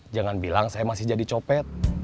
jangan bilang saya masih jadi copet